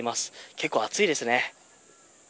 結構暑いですね。